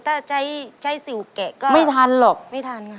ถ้าใช้ใช้สิวแกะก็ไม่ทันหรอกไม่ทันค่ะ